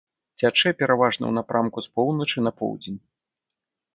Цячэ пераважна ў напрамку з поўначы на поўдзень.